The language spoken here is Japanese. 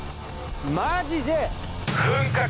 マジで。